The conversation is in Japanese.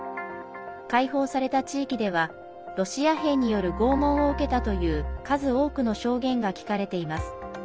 解放された地域ではロシア兵による拷問を受けたという数多くの証言が聞かれています。